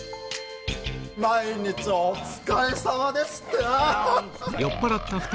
毎日お疲れさまですってなぁ。